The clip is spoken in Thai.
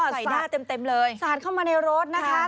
ใส่หน้าเต็มเลยสาดเข้ามาในรถนะคะ